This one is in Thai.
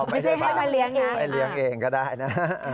ไม่ใช่ให้ไปเลี้ยงไปเลี้ยงเองก็ได้นะ